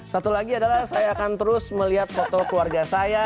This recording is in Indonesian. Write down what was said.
satu lagi adalah saya akan terus melihat foto keluarga saya